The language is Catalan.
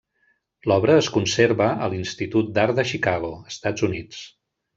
L'obra es conserva a l'Institut d'Art de Chicago, Estats Units.